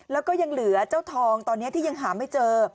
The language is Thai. แล้วก็ยังเหลือเจ้าทองตอนนี้ที่ยังหาไม่เจอ